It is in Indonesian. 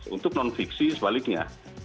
untuk non fiksi sebaliknya